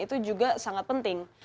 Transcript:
itu juga sangat penting